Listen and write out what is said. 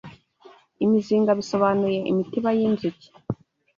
Imizinga bisobanuye Imitiba y’inzuki